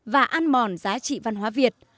và ăn mòn giá trị văn hóa việt